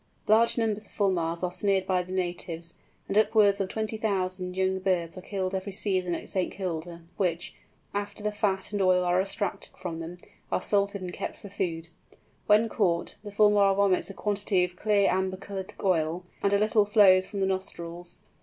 Large numbers of Fulmars are snared by the natives, and upwards of 20,000 young birds are killed every season at St. Kilda, which, after the fat and oil are extracted from them, are salted and kept for food. When caught, the Fulmar vomits a quantity of clear amber coloured oil, and a little flows from the nostrils.